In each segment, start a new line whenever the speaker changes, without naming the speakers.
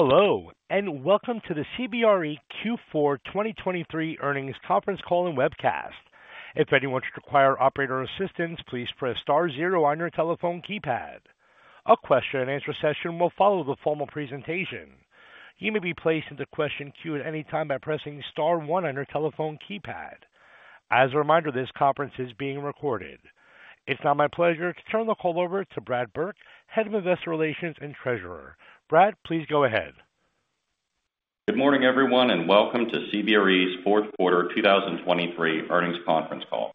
Hello, and welcome to the CBRE Q4 2023 earnings conference call and webcast. If anyone should require operator assistance, please press star zero on your telephone keypad. A question-and-answer session will follow the formal presentation. You may be placed into question queue at any time by pressing star one on your telephone keypad. As a reminder, this conference is being recorded. It's now my pleasure to turn the call over to Brad Burke, Head of Investor Relations and Treasurer. Brad, please go ahead.
Good morning, everyone, and welcome to CBRE's fourth quarter 2023 earnings conference call.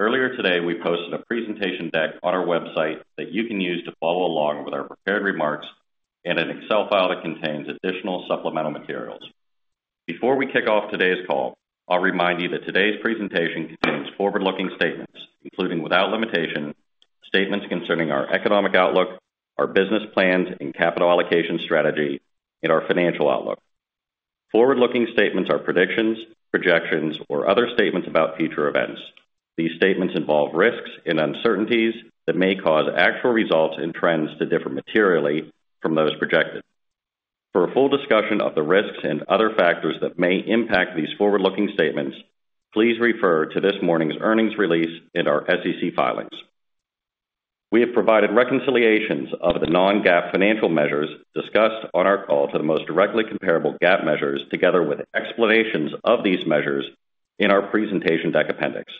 Earlier today, we posted a presentation deck on our website that you can use to follow along with our prepared remarks and an Excel file that contains additional supplemental materials. Before we kick off today's call, I'll remind you that today's presentation contains forward-looking statements, including, without limitation, statements concerning our economic outlook, our business plans and capital allocation strategy, and our financial outlook. Forward-looking statements are predictions, projections, or other statements about future events. These statements involve risks and uncertainties that may cause actual results and trends to differ materially from those projected. For a full discussion of the risks and other factors that may impact these forward-looking statements, please refer to this morning's earnings release and our SEC filings. We have provided reconciliations of the non-GAAP financial measures discussed on our call to the most directly comparable GAAP measures, together with explanations of these measures in our presentation deck appendix.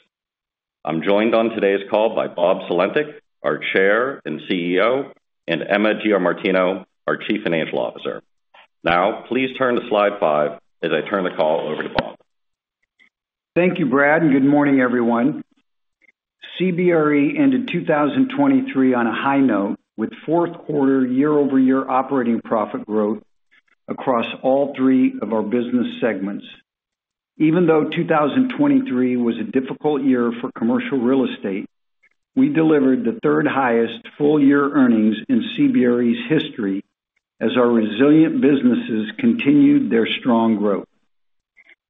I'm joined on today's call by Bob Sulentic, our Chair and CEO, and Emma Giamartino, our Chief Financial Officer. Now, please turn to slide five as I turn the call over to Bob.
Thank you, Brad, and good morning, everyone. CBRE ended 2023 on a high note, with fourth quarter year-over-year operating profit growth across all three of our business segments. Even though 2023 was a difficult year for commercial real estate, we delivered the third highest full-year earnings in CBRE's history as our resilient businesses continued their strong growth.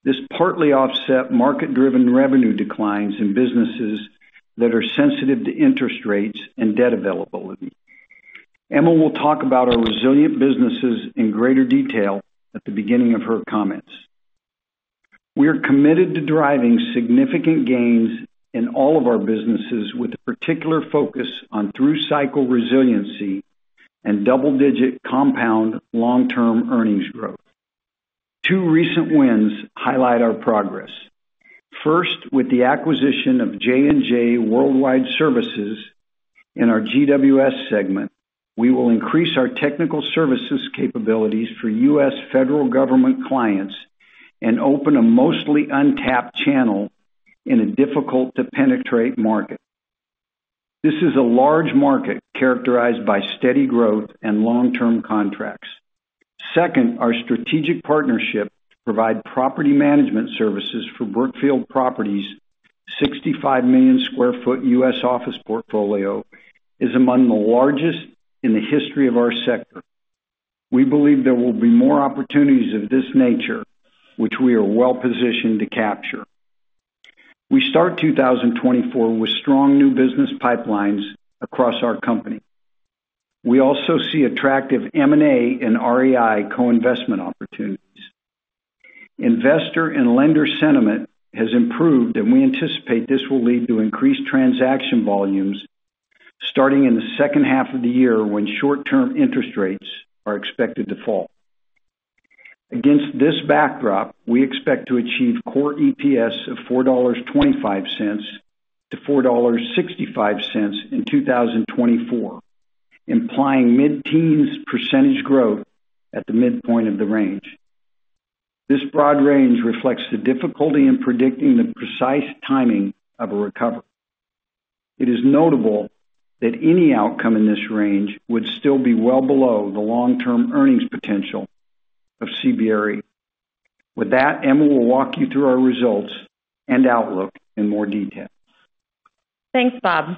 This partly offset market-driven revenue declines in businesses that are sensitive to interest rates and debt availability. Emma will talk about our resilient businesses in greater detail at the beginning of her comments. We are committed to driving significant gains in all of our businesses, with a particular focus on through-cycle resiliency and double-digit compound long-term earnings growth. Two recent wins highlight our progress. First, with the acquisition of J&J Worldwide Services in our GWS segment, we will increase our technical services capabilities for U.S. federal government clients and open a mostly untapped channel in a difficult-to-penetrate market. This is a large market characterized by steady growth and long-term contracts. Second, our strategic partnership to provide property management services for Brookfield Properties' 65 million sq ft U.S. office portfolio is among the largest in the history of our sector. We believe there will be more opportunities of this nature, which we are well positioned to capture. We start 2024 with strong new business pipelines across our company. We also see attractive M&A and REI co-investment opportunities. Investor and lender sentiment has improved, and we anticipate this will lead to increased transaction volumes starting in the second half of the year when short-term interest rates are expected to fall. Against this backdrop, we expect to achieve core EPS of $4.25-$4.65 in 2024, implying mid-teens percentage growth at the midpoint of the range. This broad range reflects the difficulty in predicting the precise timing of a recovery. It is notable that any outcome in this range would still be well below the long-term earnings potential of CBRE. With that, Emma will walk you through our results and outlook in more detail.
Thanks, Bob.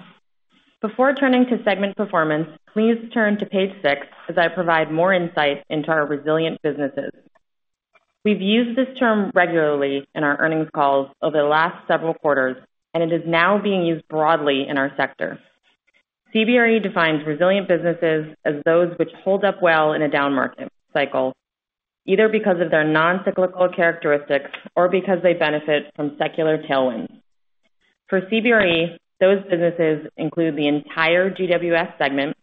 Before turning to segment performance, please turn to page 6 as I provide more insight into our resilient businesses. We've used this term regularly in our earnings calls over the last several quarters, and it is now being used broadly in our sector. CBRE defines resilient businesses as those which hold up well in a down market cycle, either because of their non-cyclical characteristics or because they benefit from secular tailwinds. For CBRE, those businesses include the entire GWS segment,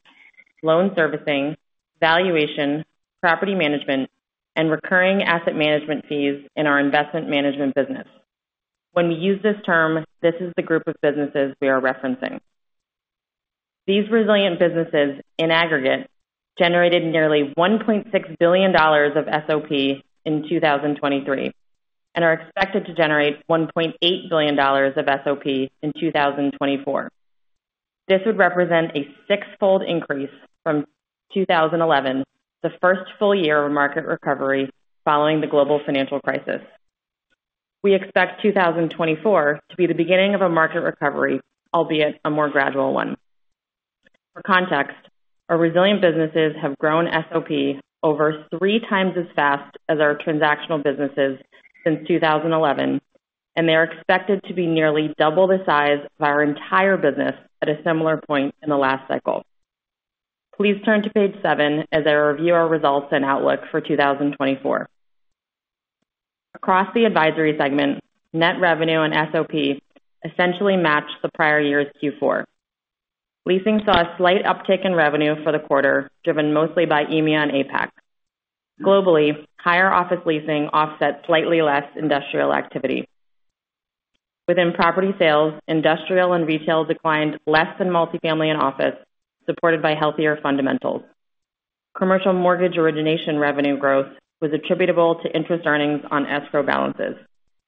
loan servicing, valuation, property management, and recurring asset management fees in our investment management business. When we use this term, this is the group of businesses we are referencing. These resilient businesses, in aggregate, generated nearly $1.6 billion of SOP in 2023 and are expected to generate $1.8 billion of SOP in 2024. This would represent a six-fold increase from 2011, the first full year of market recovery following the global financial crisis. We expect 2024 to be the beginning of a market recovery, albeit a more gradual one. For context, our resilient businesses have grown SOP over three times as fast as our transactional businesses since 2011, and they are expected to be nearly double the size of our entire business at a similar point in the last cycle. Please turn to page 7 as I review our results and outlook for 2024. Across the advisory segment, net revenue and SOP essentially matched the prior year's Q4. Leasing saw a slight uptick in revenue for the quarter, driven mostly by EMEA and APAC. Globally, higher office leasing offset slightly less industrial activity. Within property sales, industrial and retail declined less than multifamily and office, supported by healthier fundamentals. Commercial mortgage origination revenue growth was attributable to interest earnings on escrow balances.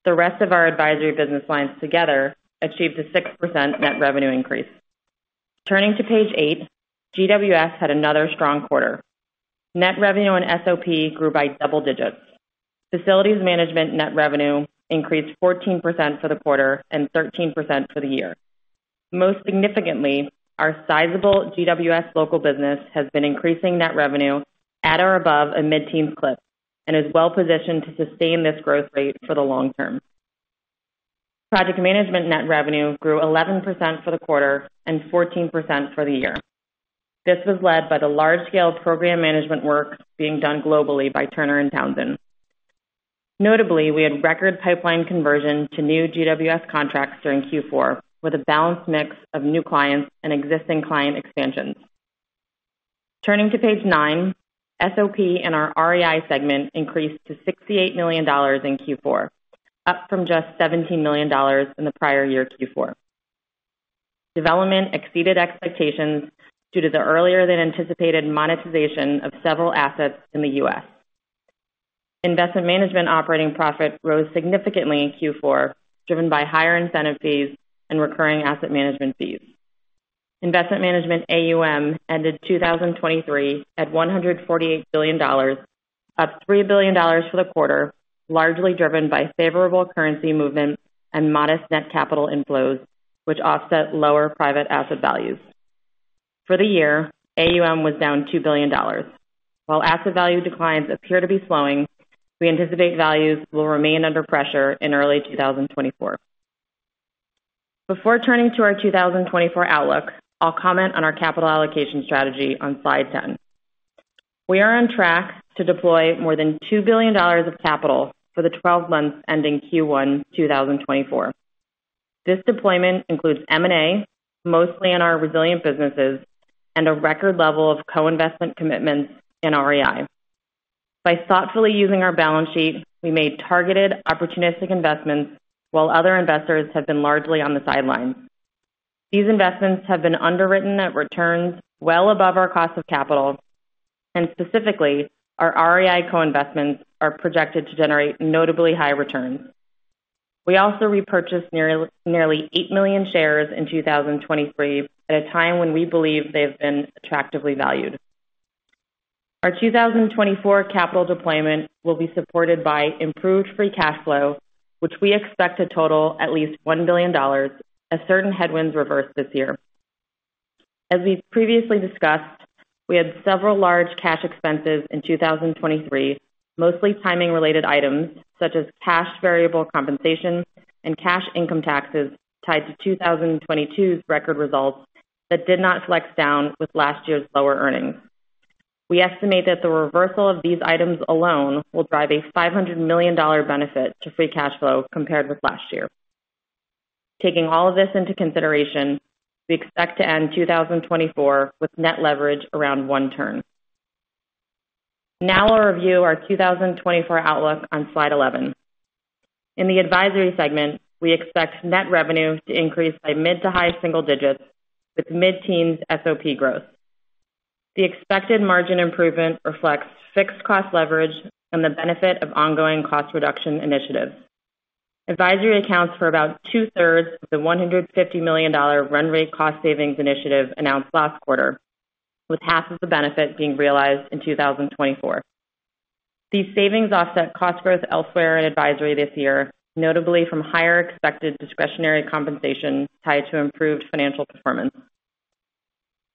The rest of our advisory business lines together achieved a 6% net revenue increase. Turning to page 8, GWS had another strong quarter. Net revenue and SOP grew by double digits. Facilities management net revenue increased 14% for the quarter and 13% for the year. Most significantly, our sizable GWS Local business has been increasing net revenue at or above a mid-teens clip and is well positioned to sustain this growth rate for the long term. Project management net revenue grew 11% for the quarter and 14% for the year. This was led by the large-scale program management work being done globally by Turner & Townsend. Notably, we had record pipeline conversion to new GWS contracts during Q4, with a balanced mix of new clients and existing client expansions. Turning to page 9, SOP in our REI segment increased to $68 million in Q4, up from just $17 million in the prior year Q4. Development exceeded expectations due to the earlier than anticipated monetization of several assets in the U.S. Investment management operating profit rose significantly in Q4, driven by higher incentive fees and recurring asset management fees. Investment management AUM ended 2023 at $148 billion, up $3 billion for the quarter, largely driven by favorable currency movements and modest net capital inflows, which offset lower private asset values. For the year, AUM was down $2 billion. While asset value declines appear to be slowing, we anticipate values will remain under pressure in early 2024. Before turning to our 2024 outlook, I'll comment on our capital allocation strategy on slide 10. We are on track to deploy more than $2 billion of capital for the 12 months ending Q1 2024. This deployment includes M&A, mostly in our resilient businesses, and a record level of co-investment commitments in REI. By thoughtfully using our balance sheet, we made targeted, opportunistic investments, while other investors have been largely on the sidelines. These investments have been underwritten at returns well above our cost of capital, and specifically, our REI co-investments are projected to generate notably high returns. We also repurchased nearly 8 million shares in 2023, at a time when we believe they have been attractively valued. Our 2024 capital deployment will be supported by improved free cash flow, which we expect to total at least $1 billion as certain headwinds reverse this year. As we've previously discussed, we had several large cash expenses in 2023, mostly timing-related items such as cash variable compensation and cash income taxes tied to 2022's record results that did not flex down with last year's lower earnings. We estimate that the reversal of these items alone will drive a $500 million benefit to free cash flow compared with last year. Taking all of this into consideration, we expect to end 2024 with net leverage around one turn. Now I'll review our 2024 outlook on slide 11. In the advisory segment, we expect net revenue to increase by mid- to high-single-digits with mid-teens SOP growth. The expected margin improvement reflects fixed cost leverage and the benefit of ongoing cost reduction initiatives. Advisory accounts for about 2/3 of the $150 million run rate cost savings initiative announced last quarter, with half of the benefit being realized in 2024. These savings offset cost growth elsewhere in advisory this year, notably from higher expected discretionary compensation tied to improved financial performance.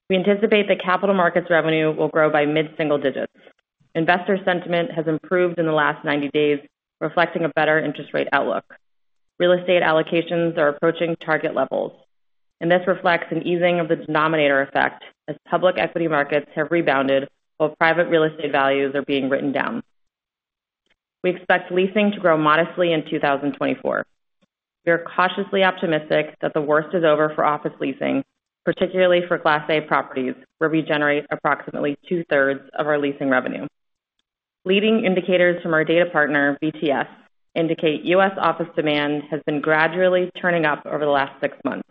We anticipate that capital markets revenue will grow by mid-single digits. Investor sentiment has improved in the last 90 days, reflecting a better interest rate outlook. Real estate allocations are approaching target levels, and this reflects an easing of the denominator effect as public equity markets have rebounded, while private real estate values are being written down. We expect leasing to grow modestly in 2024. We are cautiously optimistic that the worst is over for office leasing, particularly for Class A properties, where we generate approximately 2/3 of our leasing revenue. Leading indicators from our data partner, VTS, indicate U.S. office demand has been gradually turning up over the last six months.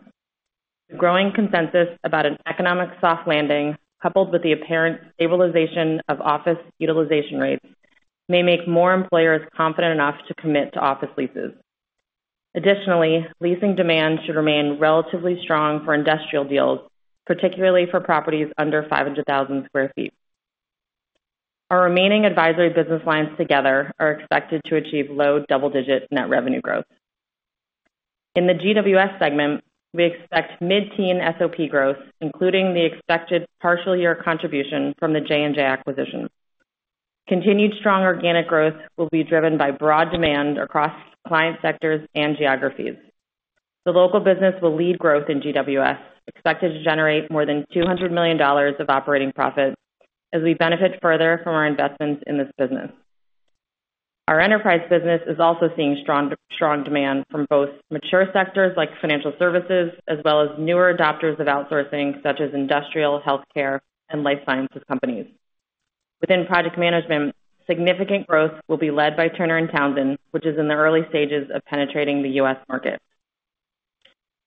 The growing consensus about an economic soft landing, coupled with the apparent stabilization of office utilization rates, may make more employers confident enough to commit to office leases. Additionally, leasing demand should remain relatively strong for industrial deals, particularly for properties under 500,000 sq ft. Our remaining advisory business lines together are expected to achieve low double-digit net revenue growth. In the GWS segment, we expect mid-teen SOP growth, including the expected partial year contribution from the J&J acquisition.... Continued strong organic growth will be driven by broad demand across client sectors and geographies. The Local business will lead growth in GWS, expected to generate more than $200 million of operating profit as we benefit further from our investments in this business. Our Enterprise business is also seeing, strong demand from both mature sectors like financial services, as well as newer adopters of outsourcing, such as industrial, healthcare, and life sciences companies. Within project management, significant growth will be led by Turner & Townsend, which is in the early stages of penetrating the U.S. market.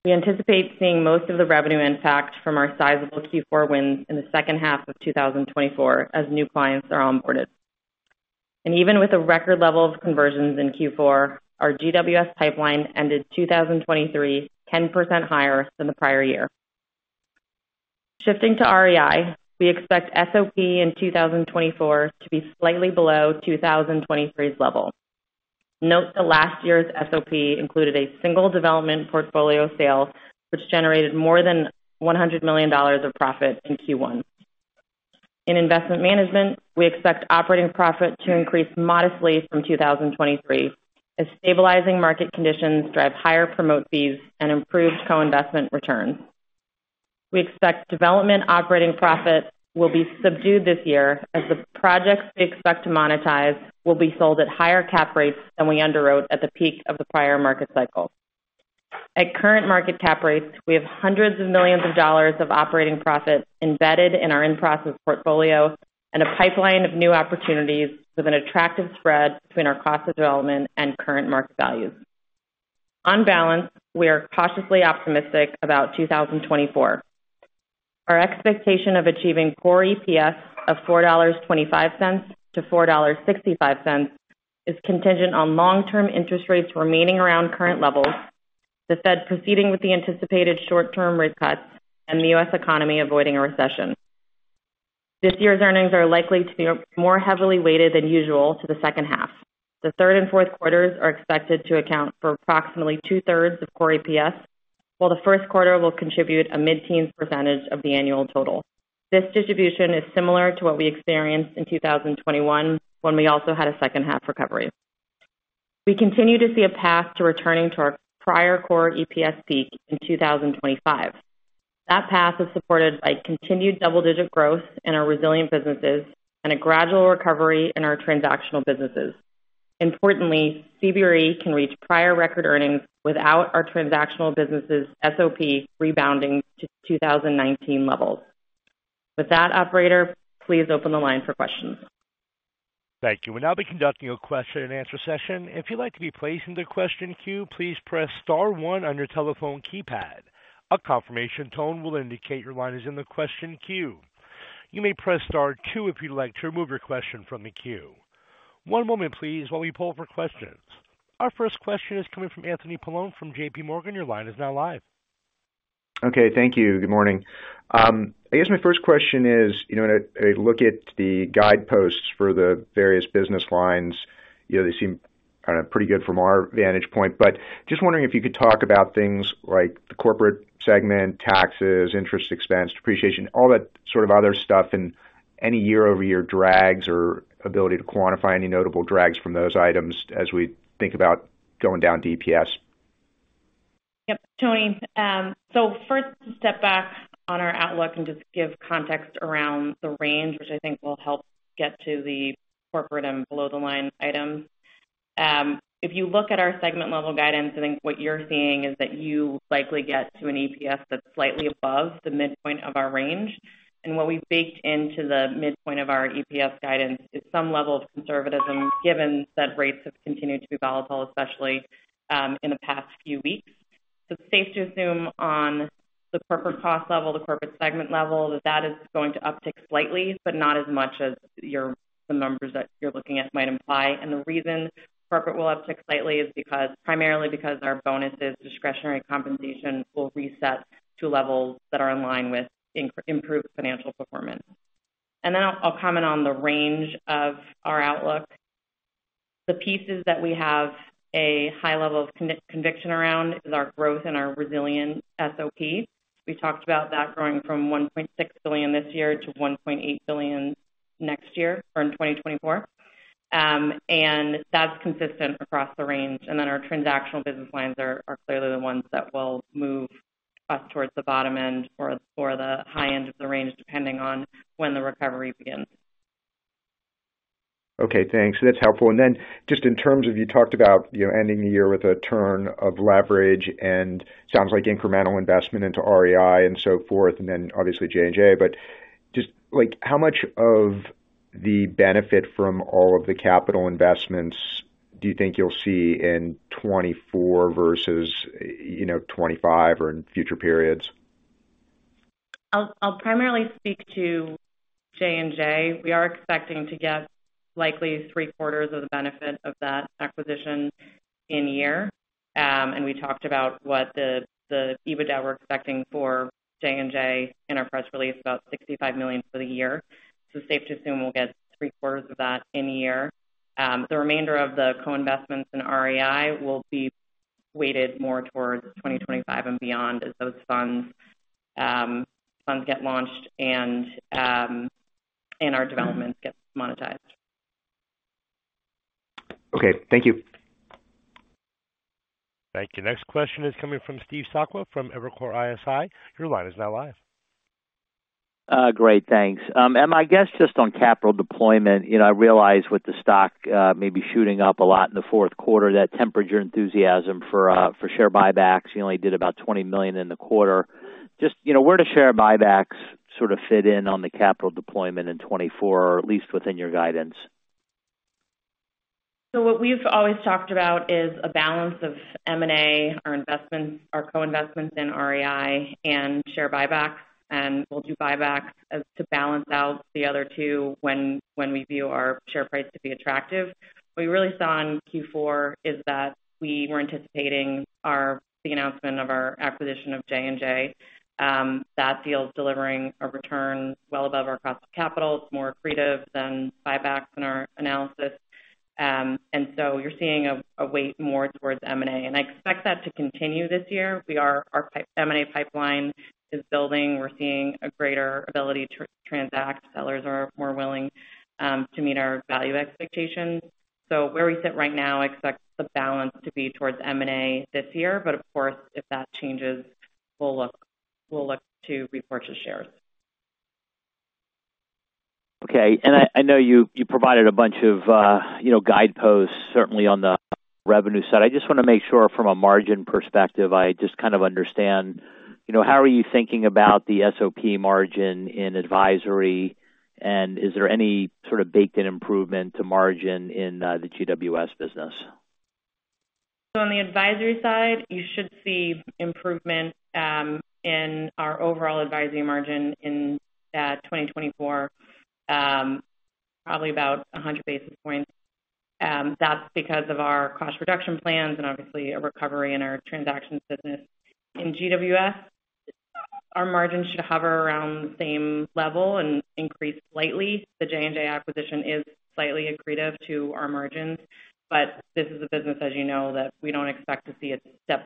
We anticipate seeing most of the revenue impact from our sizable Q4 wins in the second half of 2024 as new clients are onboarded. Even with a record level of conversions in Q4, our GWS pipeline ended 2023, 10% higher than the prior year. Shifting to REI, we expect SOP in 2024 to be slightly below 2023's level. Note that last year's SOP included a single development portfolio sale, which generated more than $100 million of profit in Q1. In investment management, we expect operating profit to increase modestly from 2023, as stabilizing market conditions drive higher promote fees and improved co-investment returns. We expect development operating profit will be subdued this year as the projects we expect to monetize will be sold at higher cap rates than we underwrote at the peak of the prior market cycle. At current market cap rates, we have hundreds of millions of dollars of operating profits embedded in our in-process portfolio and a pipeline of new opportunities with an attractive spread between our cost of development and current market values. On balance, we are cautiously optimistic about 2024. Our expectation of achieving core EPS of $4.25-$4.65 is contingent on long-term interest rates remaining around current levels, the Fed proceeding with the anticipated short-term rate cuts, and the U.S. economy avoiding a recession. This year's earnings are likely to be more heavily weighted than usual to the second half. The third and fourth quarters are expected to account for approximately 2/3 of core EPS, while the first quarter will contribute a mid-teens percentage of the annual total. This distribution is similar to what we experienced in 2021, when we also had a second half recovery. We continue to see a path to returning to our prior core EPS peak in 2025. That path is supported by continued double-digit growth in our resilient businesses and a gradual recovery in our transactional businesses. Importantly, CBRE can reach prior record earnings without our transactional businesses SOP rebounding to 2019 levels. With that, operator, please open the line for questions.
Thank you. We'll now be conducting a question and answer session. If you'd like to be placed in the question queue, please press star one on your telephone keypad. A confirmation tone will indicate your line is in the question queue. You may press star two if you'd like to remove your question from the queue. One moment please, while we pull for questions. Our first question is coming from Anthony Paolone from JPMorgan. Your line is now live.
Okay, thank you. Good morning. I guess my first question is, you know, when I look at the guideposts for the various business lines, you know, they seem kind of pretty good from our vantage point, but just wondering if you could talk about things like the corporate segment, taxes, interest, expense, depreciation, all that sort of other stuff, and any year-over-year drags or ability to quantify any notable drags from those items as we think about going down to EPS.
Yep, Tony. So first, to step back on our outlook and just give context around the range, which I think will help get to the corporate and below-the-line items. If you look at our segment level guidance, I think what you're seeing is that you likely get to an EPS that's slightly above the midpoint of our range. And what we've baked into the midpoint of our EPS guidance is some level of conservatism, given that rates have continued to be volatile, especially in the past few weeks. So it's safe to assume on the corporate cost level, the corporate segment level, that is going to uptick slightly, but not as much as your—the numbers that you're looking at might imply. The reason corporate will uptick slightly is because, primarily because our bonuses, discretionary compensation, will reset to levels that are in line with improved financial performance. And then I'll comment on the range of our outlook. The pieces that we have a high level of conviction around is our growth and our resilient SOP. We talked about that growing from $1.6 billion this year to $1.8 billion next year, from 2024. And that's consistent across the range. And then our transactional business lines are, are clearly the ones that will move us towards the bottom end or, or the high end of the range, depending on when the recovery begins.
Okay, thanks. That's helpful. And then just in terms of, you talked about, you know, ending the year with a turn of leverage and sounds like incremental investment into REI and so forth, and then obviously J&J, but just like, how much of the benefit from all of the capital investments do you think you'll see in 2024 versus, you know, 2025 or in future periods?
I'll primarily speak to J&J. We are expecting to get likely three quarters of the benefit of that acquisition in year. We talked about what the EBITDA we're expecting for J&J in our press release, about $65 million for the year. So it's safe to assume we'll get 3/4 of that in a year. The remainder of the co-investments in REI will be weighted more towards 2025 and beyond as those funds, funds get launched and, and our developments get monetized.
Okay. Thank you.
Thank you. Next question is coming from Steve Sakwa from Evercore ISI. Your line is now live.
Great, thanks. Emma, I guess, just on capital deployment, you know, I realize with the stock, maybe shooting up a lot in the fourth quarter, that tempered your enthusiasm for, for share buybacks. You only did about $20 million in the quarter. Just, you know, where do share buybacks sort of fit in on the capital deployment in 2024, or at least within your guidance?
So what we've always talked about is a balance of M&A, our investments, our co-investments in REI and share buybacks. And we'll do buybacks as to balance out the other two when we view our share price to be attractive. What we really saw in Q4 is that we were anticipating the announcement of our acquisition of J&J. That deal is delivering a return well above our cost of capital. It's more accretive than buybacks in our analysis. And so you're seeing a weight more towards M&A, and I expect that to continue this year. Our M&A pipeline is building. We're seeing a greater ability to transact. Sellers are more willing to meet our value expectations. So where we sit right now, I expect the balance to be towards M&A this year, but of course, if that changes, we'll look, we'll look to repurchase shares.
Okay. And I know you provided a bunch of, you know, guideposts, certainly on the revenue side. I just want to make sure from a margin perspective, I just kind of understand, you know, how are you thinking about the SOP margin in advisory? And is there any sort of baked-in improvement to margin in the GWS business?
So on the advisory side, you should see improvement in our overall advisory margin in 2024, probably about 100 basis points. That's because of our cost reduction plans and obviously a recovery in our transactions business. In GWS, our margins should hover around the same level and increase slightly. The J&J acquisition is slightly accretive to our margins, but this is a business, as you know, that we don't expect to see a step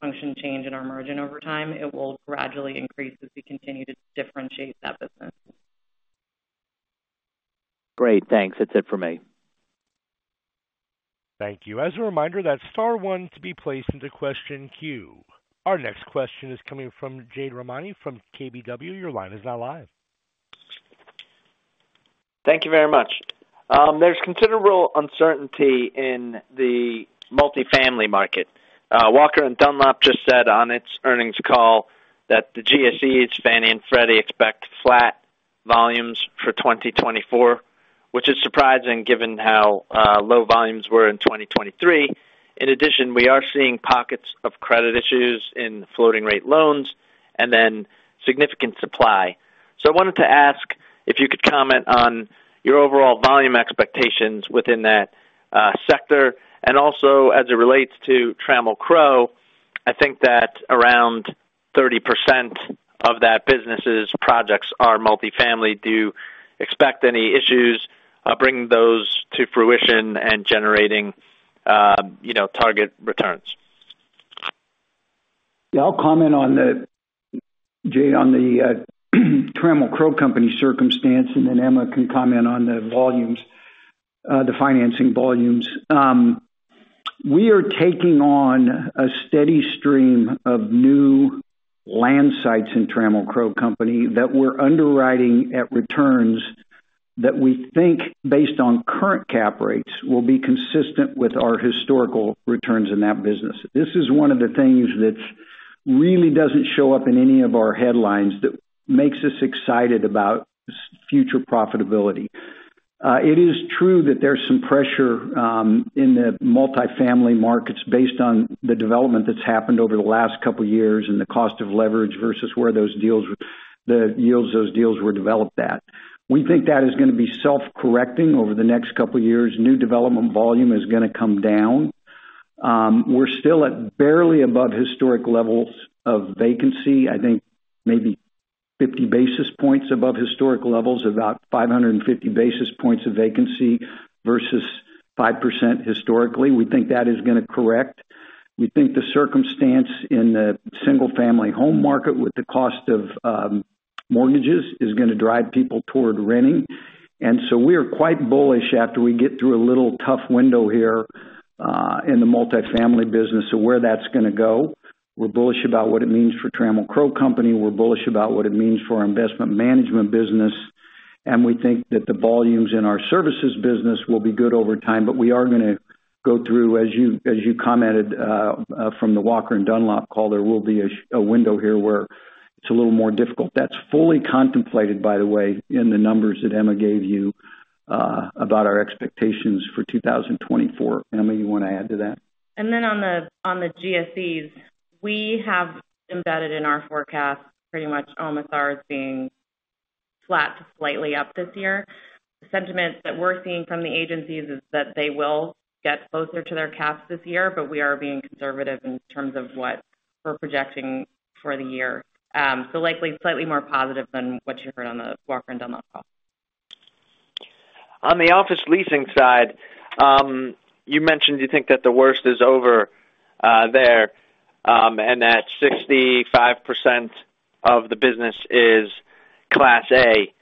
function change in our margin over time. It will gradually increase as we continue to differentiate that business.
Great, thanks. That's it for me.
Thank you. As a reminder, that's star one to be placed into question queue. Our next question is coming from Jade Rahmani from KBW. Your line is now live.
Thank you very much. There's considerable uncertainty in the multifamily market. Walker & Dunlop just said on its earnings call that the GSE, Fannie and Freddie, expect flat volumes for 2024, which is surprising given how low volumes were in 2023. In addition, we are seeing pockets of credit issues in floating rate loans and then significant supply. So I wanted to ask if you could comment on your overall volume expectations within that sector. And also, as it relates to Trammell Crow, I think that around 30% of that business's projects are multifamily. Do you expect any issues bringing those to fruition and generating, you know, target returns?
Yeah, I'll comment on Jade, on the Trammell Crow Company circumstance, and then Emma can comment on the volumes, the financing volumes. We are taking on a steady stream of new land sites in Trammell Crow Company that we're underwriting at returns that we think, based on current cap rates, will be consistent with our historical returns in that business. This is one of the things that really doesn't show up in any of our headlines that makes us excited about future profitability. It is true that there's some pressure in the multifamily markets based on the development that's happened over the last couple of years, and the cost of leverage versus where those deals, the yields, those deals were developed at. We think that is going to be self-correcting over the next couple of years. New development volume is going to come down. We're still at barely above historic levels of vacancy. I think maybe 50 basis points above historic levels, about 550 basis points of vacancy versus 5% historically. We think that is going to correct. We think the circumstance in the single-family home market with the cost of mortgages is going to drive people toward renting. And so we are quite bullish after we get through a little tough window here in the multifamily business of where that's going to go. We're bullish about what it means for Trammell Crow Company. We're bullish about what it means for our investment management business, and we think that the volumes in our services business will be good over time, but we are going to go through, as you commented, from the Walker & Dunlop call, there will be a window here where it's a little more difficult. That's fully contemplated, by the way, in the numbers that Emma gave you, about our expectations for 2024. Emma, you want to add to that?
And then on the GSEs, we have embedded in our forecast pretty much all of us are seeing flat to slightly up this year. The sentiment that we're seeing from the agencies is that they will get closer to their cap this year, but we are being conservative in terms of what we're projecting for the year. So likely slightly more positive than what you heard on the Walker & Dunlop call....
On the office leasing side, you mentioned you think that the worst is over, there, and that 65% of the business is Class A.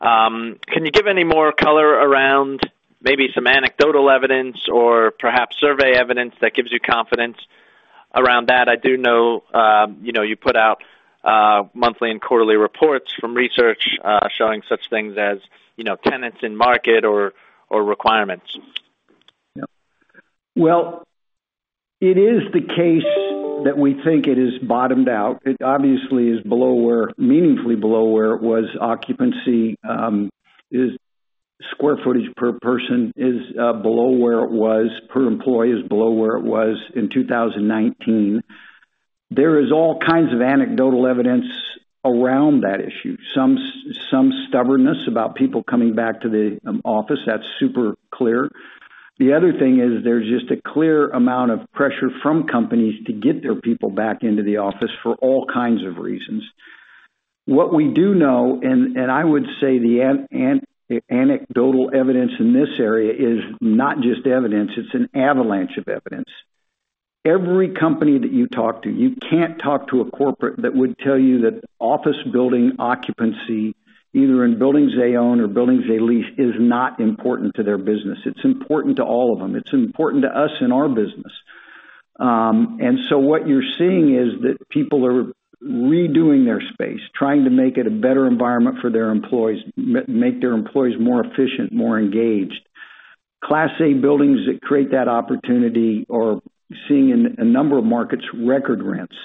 Can you give any more color around maybe some anecdotal evidence or perhaps survey evidence that gives you confidence around that? I do know, you know, you put out, monthly and quarterly reports from research, showing such things as, you know, tenants in market or, or requirements.
Yeah. Well, it is the case that we think it is bottomed out. It obviously is below where it was, meaningfully below where it was. Occupancy is square footage per person below where it was, per employee is below where it was in 2019. There is all kinds of anecdotal evidence around that issue. Some stubbornness about people coming back to the office. That's super clear. The other thing is there's just a clear amount of pressure from companies to get their people back into the office for all kinds of reasons. What we do know, and I would say the anecdotal evidence in this area is not just evidence, it's an avalanche of evidence. Every company that you talk to, you can't talk to a corporate that would tell you that office building occupancy, either in buildings they own or buildings they lease, is not important to their business. It's important to all of them. It's important to us in our business. And so what you're seeing is that people are redoing their space, trying to make it a better environment for their employees, make their employees more efficient, more engaged. Class A buildings that create that opportunity are seeing in a number of markets, record rents.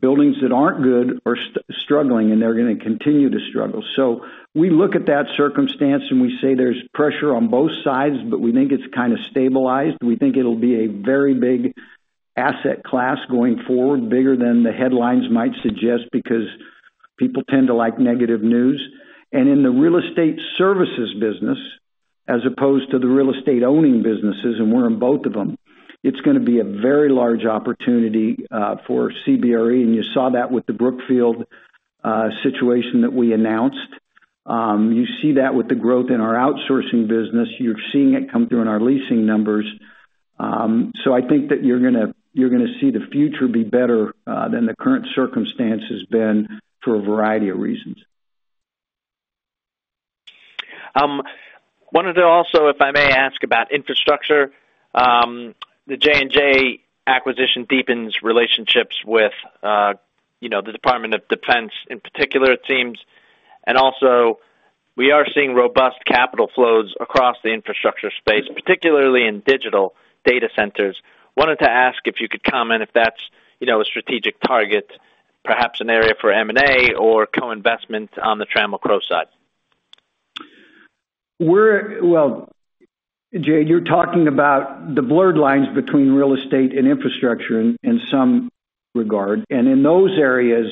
Buildings that aren't good are struggling, and they're gonna continue to struggle. So we look at that circumstance, and we say there's pressure on both sides, but we think it's kind of stabilized. We think it'll be a very big asset class going forward, bigger than the headlines might suggest, because people tend to like negative news. And in the real estate services business, as opposed to the real estate owning businesses, and we're in both of them, it's gonna be a very large opportunity, for CBRE, and you saw that with the Brookfield situation that we announced. You see that with the growth in our outsourcing business. You're seeing it come through in our leasing numbers. So I think that you're gonna see the future be better, than the current circumstance has been for a variety of reasons.
Wanted to also, if I may ask, about infrastructure. The J&J acquisition deepens relationships with, you know, the Department of Defense in particular, it seems. And also, we are seeing robust capital flows across the infrastructure space, particularly in digital data centers. Wanted to ask if you could comment if that's, you know, a strategic target, perhaps an area for M&A or co-investment on the Trammell Crow side.
Well, Jade, you're talking about the blurred lines between real estate and infrastructure in some regard. And in those areas,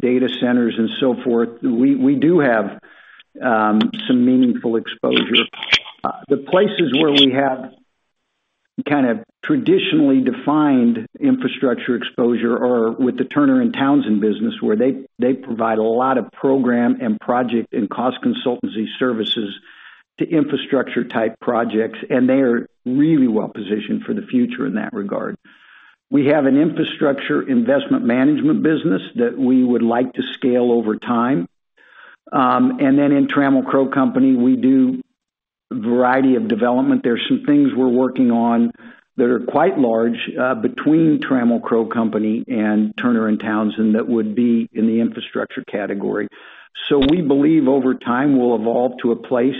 data centers and so forth, we do have some meaningful exposure. The places where we have kind of traditionally defined infrastructure exposure are with the Turner & Townsend business, where they provide a lot of program and project and cost consultancy services to infrastructure-type projects, and they are really well positioned for the future in that regard. We have an infrastructure investment management business that we would like to scale over time. And then in Trammell Crow Company, we do a variety of development. There are some things we're working on that are quite large between Trammell Crow Company and Turner & Townsend that would be in the infrastructure category. We believe over time, we'll evolve to a place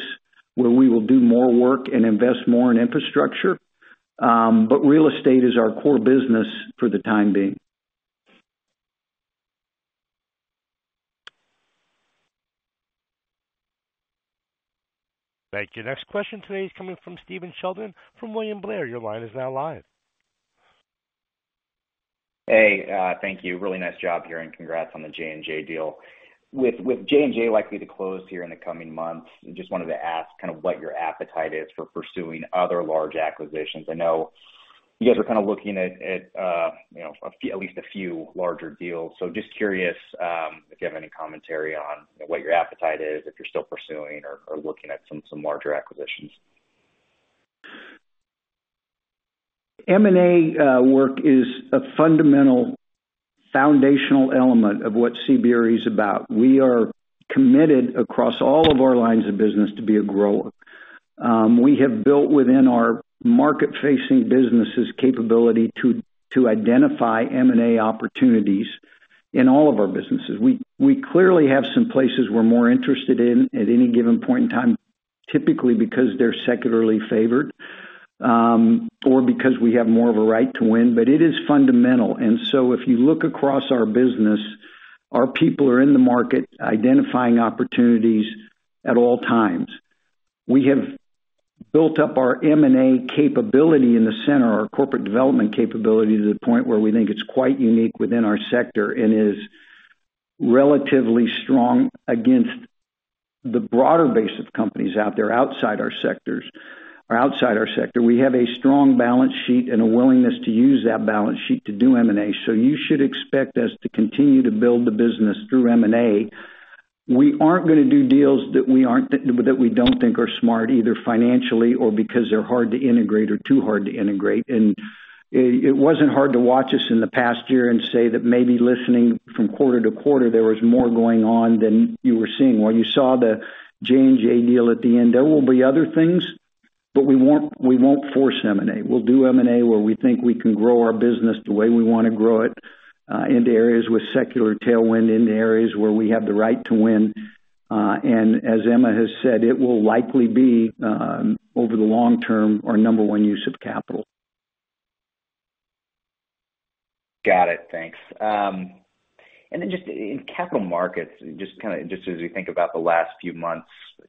where we will do more work and invest more in infrastructure, but real estate is our core business for the time being.
Thank you. Next question today is coming from Stephen Sheldon from William Blair. Your line is now live.
Hey, thank you. Really nice job here, and congrats on the J&J deal. With, with J&J likely to close here in the coming months, I just wanted to ask kind of what your appetite is for pursuing other large acquisitions. I know you guys are kind of looking at, at, you know, at least a few larger deals. So just curious, if you have any commentary on what your appetite is, if you're still pursuing or, or looking at some, some larger acquisitions.
M&A work is a fundamental foundational element of what CBRE is about. We are committed across all of our lines of business to be a grower. We have built within our market-facing businesses capability to identify M&A opportunities in all of our businesses. We clearly have some places we're more interested in at any given point in time, typically because they're secularly favored, or because we have more of a right to win, but it is fundamental. And so if you look across our business, our people are in the market identifying opportunities at all times. We have built up our M&A capability in the center, our corporate development capability, to the point where we think it's quite unique within our sector and is relatively strong against the broader base of companies out there outside our sectors... or outside our sector. We have a strong balance sheet and a willingness to use that balance sheet to do M&A. So you should expect us to continue to build the business through M&A. We aren't going to do deals that we don't think are smart, either financially or because they're hard to integrate or too hard to integrate. And it wasn't hard to watch us in the past year and say that maybe listening from quarter-to-quarter, there was more going on than you were seeing. Well, you saw the J&J deal at the end. There will be other things, but we won't force M&A. We'll do M&A where we think we can grow our business the way we want to grow it into areas with secular tailwind, into areas where we have the right to win. As Emma has said, it will likely be, over the long term, our number one use of capital.
Got it. Thanks. And then just in capital markets, just as you think about the last few months,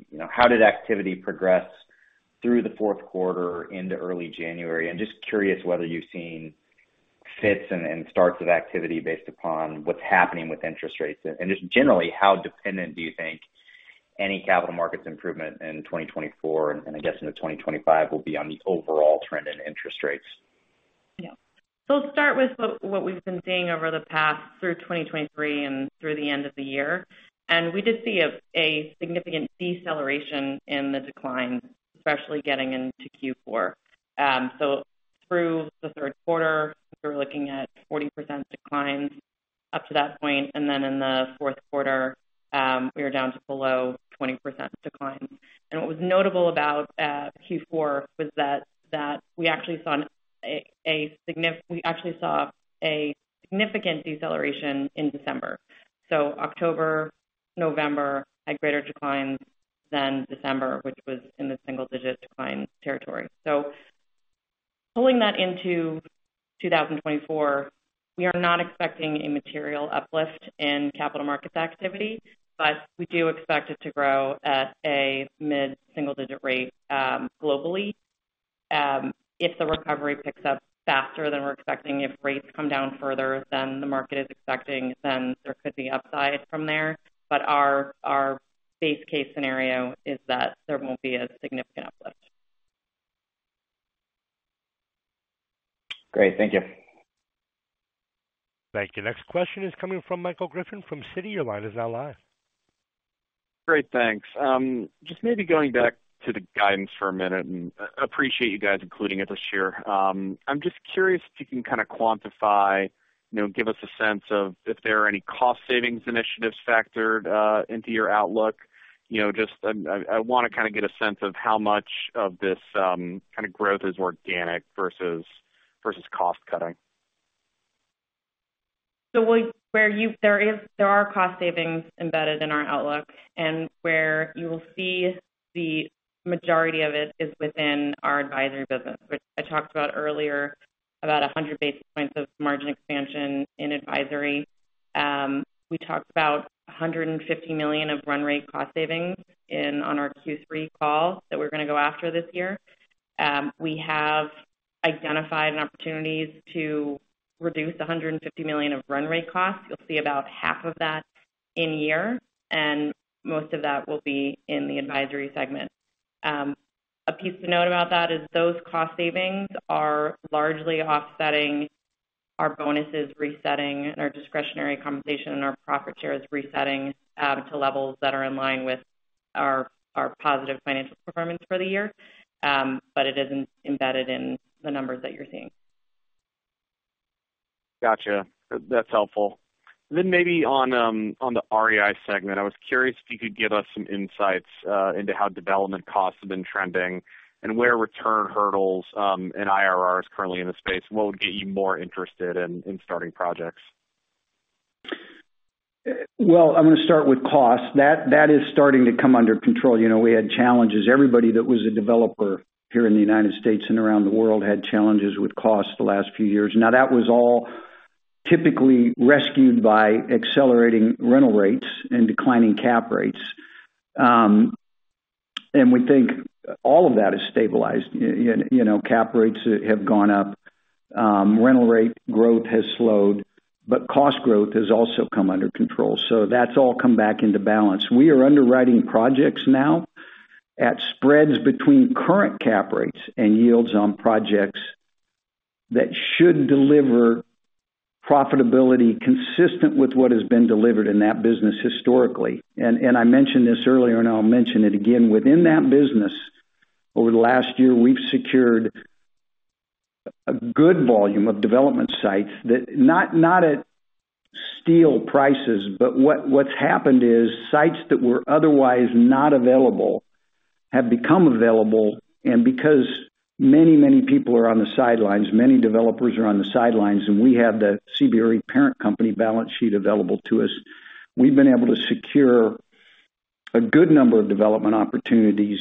you know, how did activity progress through the fourth quarter into early January? I'm just curious whether you've seen fits and starts of activity based upon what's happening with interest rates. And just generally, how dependent do you think any capital markets improvement in 2024, and I guess into 2025, will be on the overall trend in interest rates?
Yeah. So I'll start with what we've been seeing over the past, through 2023 and through the end of the year. And we did see a significant deceleration in the decline, especially getting into Q4. So through the third quarter, we were looking at 40% declines up to that point, and then in the fourth quarter, we were down to below 20% decline. And what was notable about Q4 was that we actually saw a significant deceleration in December. So October, November, had greater declines than December, which was in the single-digit decline territory. So pulling that into 2024, we are not expecting a material uplift in capital markets activity, but we do expect it to grow at a mid-single-digit rate, globally. If the recovery picks up faster than we're expecting, if rates come down further than the market is expecting, then there could be upside from there. But our, our base case scenario is that there won't be a significant uplift.
Great. Thank you.
Thank you. Next question is coming from Michael Griffin from Citi. Your line is now live.
Great, thanks. Just maybe going back to the guidance for a minute, and appreciate you guys including it this year. I'm just curious if you can kind of quantify, you know, give us a sense of if there are any cost savings initiatives factored into your outlook. You know, just I want to kind of get a sense of how much of this kind of growth is organic versus cost cutting.
There are cost savings embedded in our outlook, and where you will see the majority of it is within our advisory business, which I talked about earlier, about 100 basis points of margin expansion in advisory. We talked about $150 million of run rate cost savings on our Q3 call, that we're going to go after this year. We have identified opportunities to reduce $150 million of run rate costs. You'll see about half of that this year, and most of that will be in the advisory segment. A piece to note about that is those cost savings are largely offsetting our bonuses resetting, and our discretionary compensation, and our profit shares resetting to levels that are in line with our positive financial performance for the year. But it isn't embedded in the numbers that you're seeing.
Gotcha. That's helpful. Then maybe on the REI segment, I was curious if you could give us some insights into how development costs have been trending and where return hurdles and IRRs currently in the space, and what would get you more interested in starting projects?
Well, I'm going to start with cost. That is starting to come under control. You know, we had challenges. Everybody that was a developer here in the United States and around the world had challenges with cost the last few years. Now, that was all typically rescued by accelerating rental rates and declining cap rates. And we think all of that has stabilized. You know, cap rates have gone up, rental rate growth has slowed, but cost growth has also come under control. So that's all come back into balance. We are underwriting projects now at spreads between current cap rates and yields on projects that should deliver profitability consistent with what has been delivered in that business historically. I mentioned this earlier, and I'll mention it again: within that business, over the last year, we've secured a good volume of development sites that not at steel prices, but what's happened is, sites that were otherwise not available have become available. And because many, many people are on the sidelines, many developers are on the sidelines, and we have the CBRE parent company balance sheet available to us, we've been able to secure a good number of development opportunities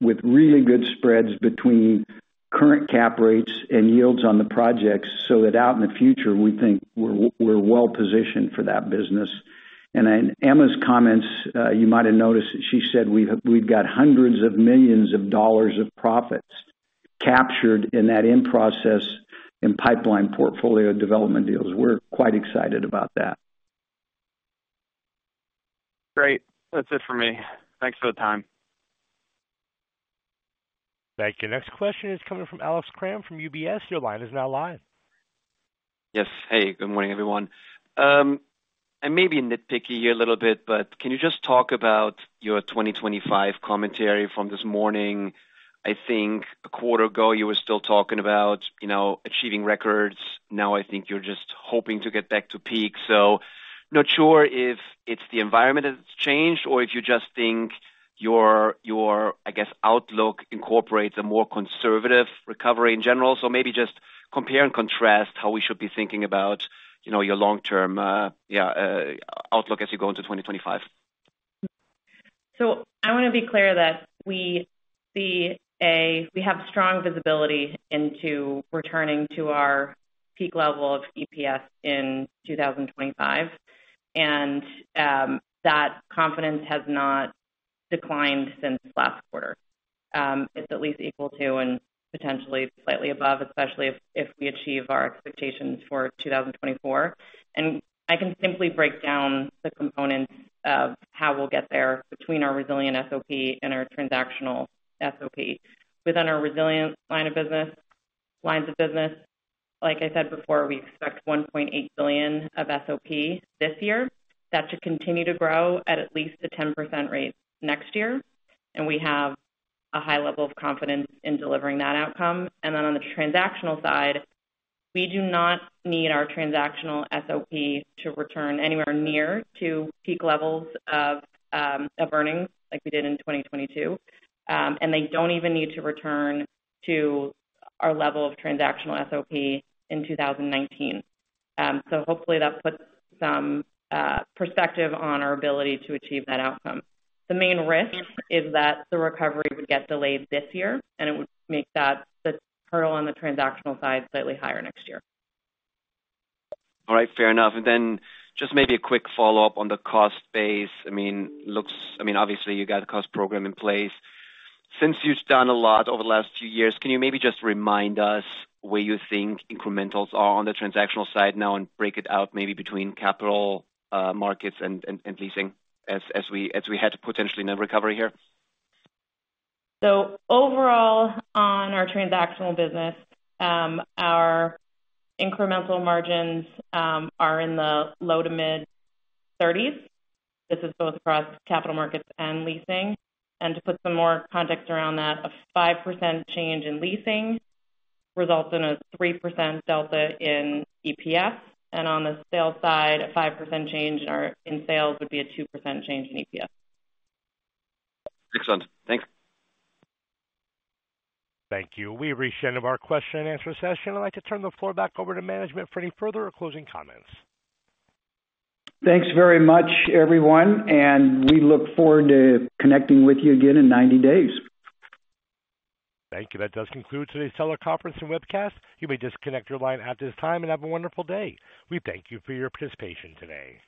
with really good spreads between current cap rates and yields on the projects, so that out in the future, we think we're well positioned for that business. And in Emma's comments, you might have noticed, she said, we've got hundreds of millions of dollars of profits captured in that in-process and pipeline portfolio development deals. We're quite excited about that.
Great. That's it for me. Thanks for the time.
Thank you. Next question is coming from Alex Kramm from UBS. Your line is now live.
Yes. Hey, good morning, everyone. I may be nitpicky here a little bit, but can you just talk about your 2025 commentary from this morning? I think a quarter ago you were still talking about, you know, achieving records. Now, I think you're just hoping to get back to peak. So not sure if it's the environment that's changed or if you just think your, your, I guess, outlook incorporates a more conservative recovery in general. So maybe just compare and contrast how we should be thinking about, you know, your long-term outlook as you go into 2025.
So I want to be clear that we see—we have strong visibility into returning to our peak level of EPS in 2025, and that confidence has not declined since last quarter. It's at least equal to and potentially slightly above, especially if we achieve our expectations for 2024. And I can simply break down the components of how we'll get there between our resilient SOP and our transactional SOP. Within our resilient line of business, lines of business, like I said before, we expect $1.8 billion of SOP this year. That should continue to grow at least a 10% rate next year, and we have a high level of confidence in delivering that outcome. And then on the transactional side, we do not need our transactional SOP to return anywhere near to peak levels of earnings, like we did in 2022. And they don't even need to return to our level of transactional SOP in 2019. So hopefully that puts some perspective on our ability to achieve that outcome. The main risk is that the recovery would get delayed this year, and it would make that the hurdle on the transactional side slightly higher next year.
All right. Fair enough. And then just maybe a quick follow-up on the cost base. I mean, looks—I mean, obviously you got a cost program in place. Since you've done a lot over the last few years, can you maybe just remind us where you think incrementals are on the transactional side now and break it out maybe between capital markets and leasing as we head to potentially in a recovery here?
Overall, on our transactional business, our incremental margins are in the low-to-mid 30s. This is both across capital markets and leasing. To put some more context around that, a 5% change in leasing results in a 3% delta in EPS. On the sales side, a 5% change in sales would be a 2% change in EPS.
Excellent. Thanks.
Thank you. We've reached the end of our question and answer session. I'd like to turn the floor back over to management for any further or closing comments.
Thanks very much, everyone, and we look forward to connecting with you again in 90 days.
Thank you. That does conclude today's teleconference and webcast. You may disconnect your line at this time and have a wonderful day. We thank you for your participation today.